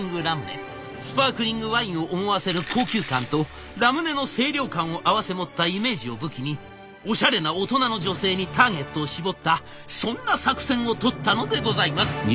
スパークリングワインを思わせる高級感とラムネの清涼感を併せ持ったイメージを武器にオシャレな大人の女性にターゲットを絞ったそんな作戦をとったのでございます。